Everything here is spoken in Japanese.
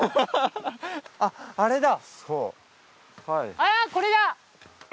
あっこれだ！